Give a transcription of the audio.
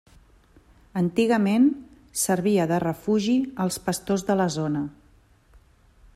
Antigament servia de refugi als pastors de la zona.